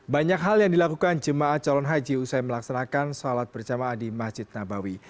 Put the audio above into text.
banyak hal yang dilakukan jemaah calon haji usai melaksanakan sholat berjamaah di masjid nabawi